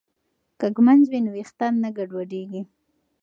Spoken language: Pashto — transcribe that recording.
که ږمنځ وي نو ویښتان نه ګډوډیږي.